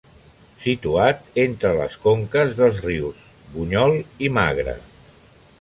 Situat entre les conques dels rius Bunyol i Magre.